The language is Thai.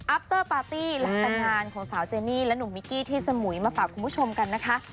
เตอร์ปาร์ตี้หลังแต่งงานของสาวเจนี่และหนุ่มมิกกี้ที่สมุยมาฝากคุณผู้ชมกันนะคะ